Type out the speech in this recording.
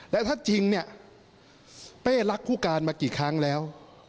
และถ้าจริงเนี่ยเป้รักผู้การมากี่ครั้งแล้ว